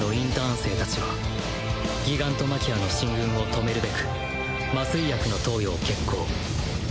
生達はギガントマキアの進軍を止めるべく麻酔薬の投与を決行